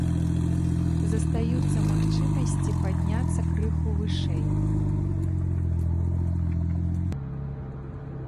Застаюцца магчымасці падняцца крыху вышэй.